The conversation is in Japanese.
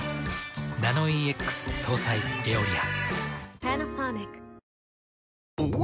ナノイーＸ搭載「エオリア」。